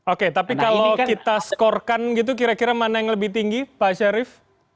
oke tapi kalau kita skorkan gitu kira kira mana yang lebih tinggi pak syarif